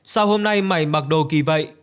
sao hôm nay mày mặc đồ kỳ vậy